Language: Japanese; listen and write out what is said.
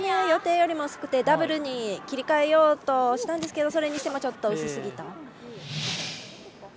予定よりも薄くてダブルに切り替えようとしたんですがそれにしても、ちょっと薄すぎた。